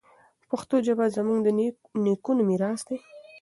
پښتو ژبه زموږ د نیکونو میراث دی.